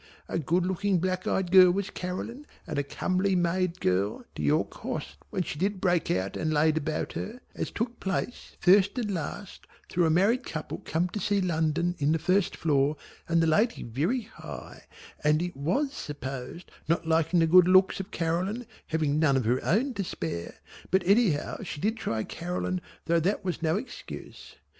A good looking black eyed girl was Caroline and a comely made girl to your cost when she did break out and laid about her, as took place first and last through a new married couple come to see London in the first floor and the lady very high and it was supposed not liking the good looks of Caroline having none of her own to spare, but anyhow she did try Caroline though that was no excuse.